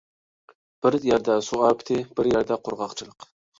بىر يەردە سۇ ئاپىتى، بىر يەردە قۇرغاقچىلىق.